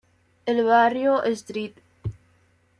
El barrio St.